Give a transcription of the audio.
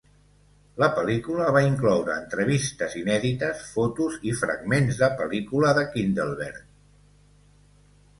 La pel·lícula va incloure entrevistes inèdites, fotos, i fragments de pel·lícula de Kindelberger.